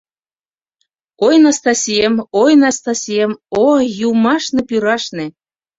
— Ой, Настасием, ой, Настасием, ой, юмашне-пӱршашне!